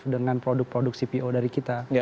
dengan produk produk cpo dari kita